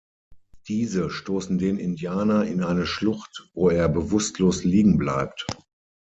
Diese stoßen den Indianer in eine Schlucht, wo er bewusstlos liegen bleibt.